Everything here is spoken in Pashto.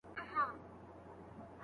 صالحه ميرمن نیک چلنده او خدمتګاره وي.